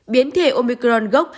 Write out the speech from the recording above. biến thể ômicron gốc